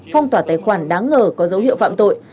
phong tỏa tài khoản đáng ngờ có dấu hiệu phạm tội